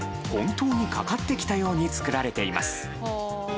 本当にかかってきたように作られています。